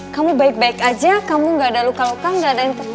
kamu baik baik aja kamu gak ada luka luka gak ada yang terjadi